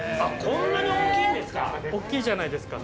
こんなに大きいんですか。